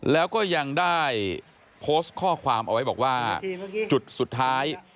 แล้วก็ยังได้โพสต์ข้อความเอาไว้บอกว่าจุดสุดท้าย